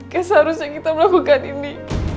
kayak seharusnya kita melakukan ini